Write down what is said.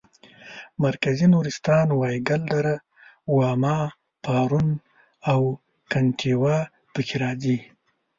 مرکزي نورستان وایګل دره واما پارون او کنتیوا پکې راځي.